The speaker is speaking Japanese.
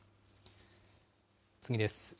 次です。